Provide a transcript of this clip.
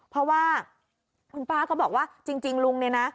เพราะว่าคุณป้าก็บอกว่าจริงลุงเนี่ยนะ